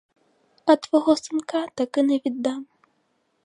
А твого синка таки не віддам.